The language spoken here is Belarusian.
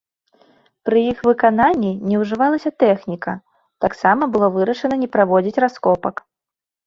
Пры іх выкананні не ўжывалася тэхніка, таксама было вырашана не праводзіць раскопак.